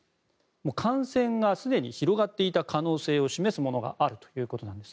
感染がすでに広がっていた可能性が占めるものがあるということなんです。